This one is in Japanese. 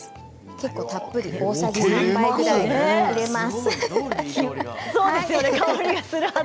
結構たっぷり、大さじ３入れます。